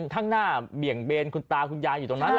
ข้างหน้าเบี่ยงเบนคุณตาคุณยายอยู่ตรงนั้น